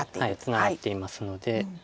ツナがっていますので。